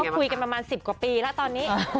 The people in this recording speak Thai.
คุยกันประมาณ๑๐กว่าปีแล้วตอนนี้